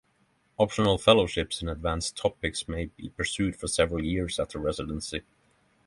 Optional fellowships in advanced topics may be pursued for several years after residency.